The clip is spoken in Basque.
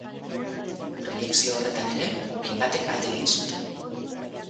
Proiekzio horretan ere, hainbatek alde egin zuten.